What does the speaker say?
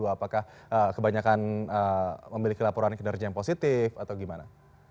apakah kebanyakan memiliki laporan kinerja yang positif atau gimana